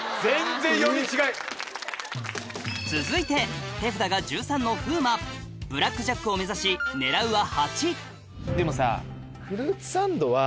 続いて手札が１３の風磨ブラックジャックを目指し狙うは８でもさ。